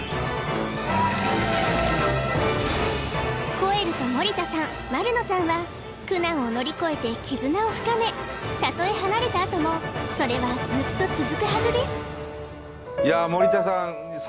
コエルと盛田さん丸野さんは苦難を乗り越えて絆を深めたとえ離れたあともそれはずっと続くはずです